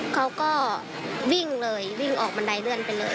เขาก็วิ่งเลยวิ่งออกบันไดเลื่อนไปเลย